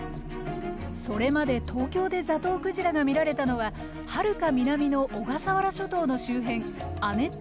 それまで東京でザトウクジラが見られたのははるか南の小笠原諸島の周辺亜熱帯の海だけでした。